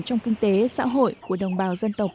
trong kinh tế xã hội của đồng bào dân tộc